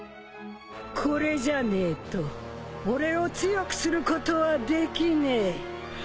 これじゃねえと俺を強くすることはできねえ。